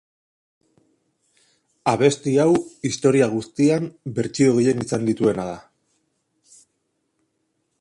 Abesti hau historia guztian bertsio gehien izan dituena da.